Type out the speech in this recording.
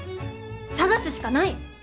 探すしかない！